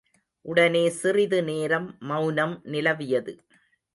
உடனே சிறிது நேரம் மெளனம் நிலவியது.